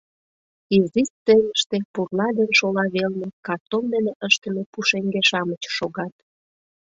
Изи сценыште пурла ден шола велне картон дене ыштыме пушеҥге-шамыч шогат.